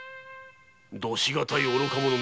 度し難い愚か者め！